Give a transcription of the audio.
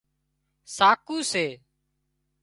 ساڪُو سي